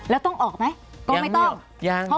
แล้วต้องออกไหมก็ไม่ต้องยัง